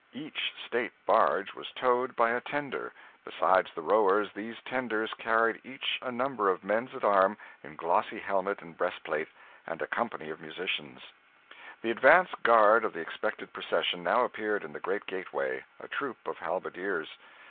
Each state barge was towed by a tender. Besides the rowers, these tenders carried each a number of men at arms in glossy helmet and breastplate, and a company of musicians. The advance guard of the expected procession now appeared in the great gateway, a troop of halberdiers.